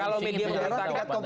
kalau media memberitakan tentunya